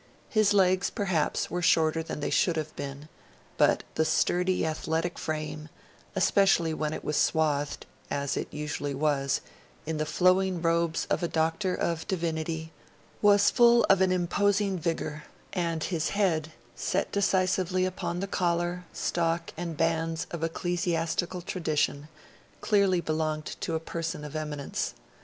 His legs, perhaps, were shorter than they should have been; but the sturdy athletic frame, especially when it was swathed (as it usually was) in the flowing robes of a Doctor of Divinity, was full of an imposing vigour; and his head, set decisively upon the collar, stock, and bands of ecclesiastical tradition, clearly belonged to a person of eminence.